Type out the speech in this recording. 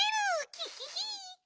キヒヒ！